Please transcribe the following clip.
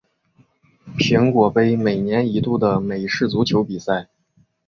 苹果杯每年一度的美式足球比赛。